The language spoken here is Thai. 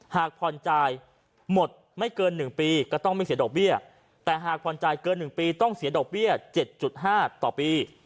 หากผ่อนจ่ายหมดไม่เกิน๑ปีก็ต้องไม่เสียดอกเบี้ยแต่หากผ่อนจ่ายเกิน๑ปีต้องเสียดอกเบี้ย๗๕ต่อปี